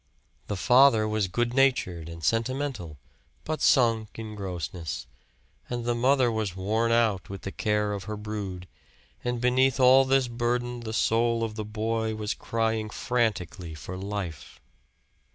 The father was good natured and sentimental, but sunk in grossness; and the mother was worn out with the care of her brood, and beneath all this burden the soul of the boy was crying frantically for life.